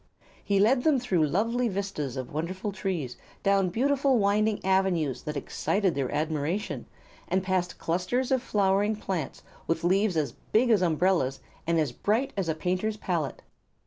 He led them through lovely vistas of wonderful trees, down beautiful winding avenues that excited their admiration, and past clusters of flowering plants with leaves as big as umbrellas and as bright as a painter's palette.